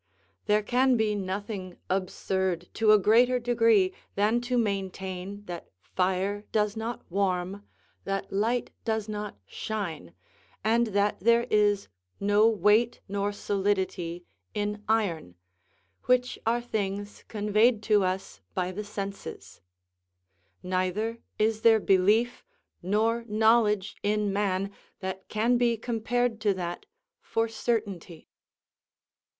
There can be nothing absurd to a greater degree than to maintain that fire does not warm, that light does not shine, and that there is no weight nor solidity in iron, which are things conveyed to us by the senses; neither is there belief nor knowledge in man that can be compared to that for certainty.